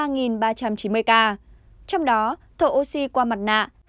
trong đó thổ oxy qua mặt nạ hai ba trăm bảy mươi chín